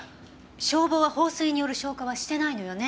消防は放水による消火はしてないのよね？